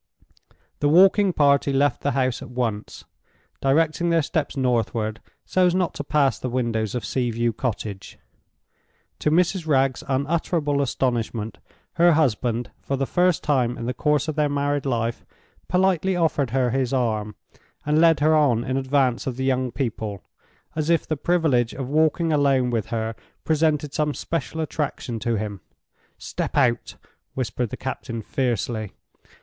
The walking party left the house at once, directing their steps northward, so as not to pass the windows of Sea view Cottage. To Mrs. Wragge's unutterable astonishment, her husband, for the first time in the course of their married life, politely offered her his arm, and led her on in advance of the young people, as if the privilege of walking alone with her presented some special attraction to him! "Step out!" whispered the captain, fiercely.